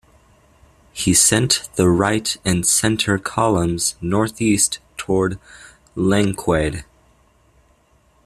He sent the right and center columns northeast toward Langquaid.